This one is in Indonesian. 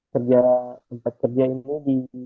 tempat kerja ini di